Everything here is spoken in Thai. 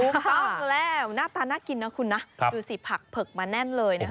ถูกต้องแล้วหน้าตาน่ากินนะคุณนะดูสิผักเผือกมาแน่นเลยนะคะ